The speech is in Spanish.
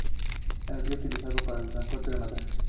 El río es utilizado para el transporte de madera.